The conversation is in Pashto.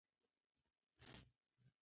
که هغه زنګ ووهي، موږ به د چکر پلان جوړ کړو.